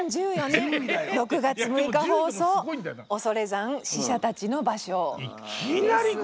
２０１４年６月６日放送「恐山死者たちの場所」です。